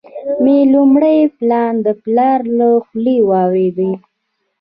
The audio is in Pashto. مي لومړی پلا د پلار له خولې واروېدې،